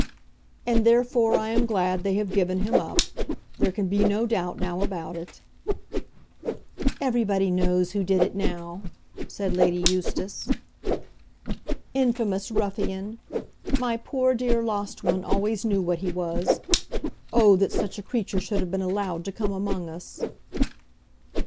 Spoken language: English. "And therefore I am glad they have given him up. There can be no doubt now about it." "Everybody knows who did it now," said Lady Eustace. "Infamous ruffian! My poor dear lost one always knew what he was. Oh that such a creature should have been allowed to come among us."